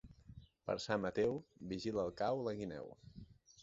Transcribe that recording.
Per Sant Mateu, vigila el cau la guineu.